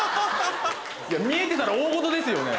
見えてたら大ごとですよねぇ。